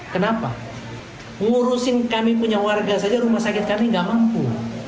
kenapa ngurusin kami punya warga saja rumah sakit kami nggak mampu